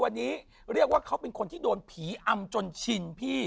วันนี้เรียกว่าเขาเป็นคนที่โดนผีอำจนชินพี่